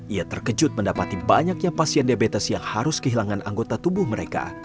ia terkejut mendapati banyaknya pasien diabetes yang harus kehilangan anggota tubuh mereka